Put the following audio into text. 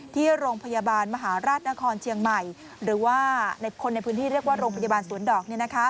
ที่โรงพยาบาลมหาราชนครเชียงใหม่หรือว่าคนในพื้นที่เรียกว่าโรงพยาบาลสวนดอก